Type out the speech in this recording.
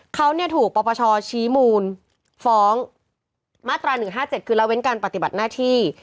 เขาถูกปปชชี้มูลฟ้องมาตรา๑๕๗คือละเว้นการปฏิบัติหน้าที่